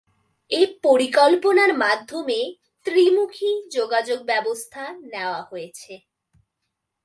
এ পরিকল্পনার মাধ্যমে ত্রিমুখী যোগাযোগ ব্যবস্থা নেওয়া হয়েছে।